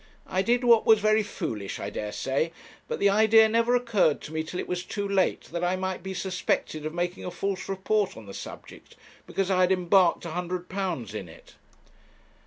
I did what was very foolish, I dare say; but the idea never occurred to me till it was too late, that I might be suspected of making a false report on the subject, because I had embarked a hundred pounds in it.'